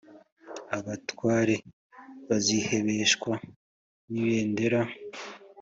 abatware bazihebeshwa n’ibendera